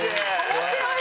面白い！